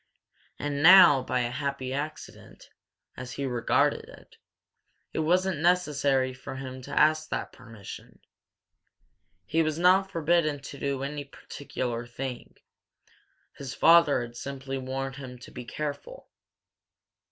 And now, by a happy accident, as he regarded it, it wasn't necessary for him to ask that permission. He was not forbidden to do any particular thing; his father had simply warned him to be careful.